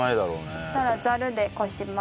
そしたらザルでこします。